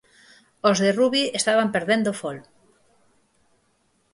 Os de Rubi estaban perdendo fol.